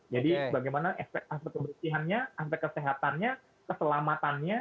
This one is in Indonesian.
jadi bagaimana aspek kebersihannya aspek kesehatannya keselamatannya